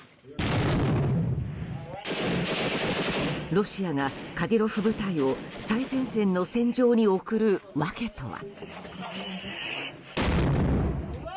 ロシアがカディロフ部隊を最前線の戦場に送る訳とは。